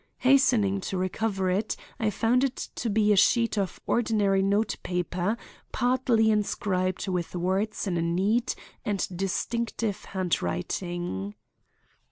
Hastening to recover it, I found it to be a sheet of ordinary note paper partly inscribed with words in a neat and distinctive handwriting.